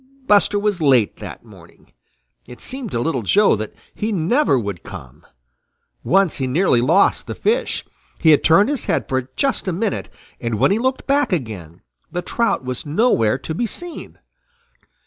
Buster was late that morning. It seemed to Little Joe that he never would come. Once he nearly lost the fish. He had turned his head for just a minute, and when he looked back again, the trout was nowhere to be seen.